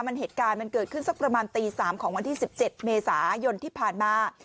มันเหตุการณ์มันเกิดขึ้นสักประมาณตี๓ของวันที่๑๗เมษายนที่ผ่านมา